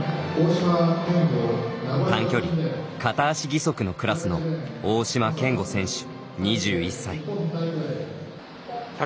短距離、片足義足のクラスの大島健吾選手、２１歳。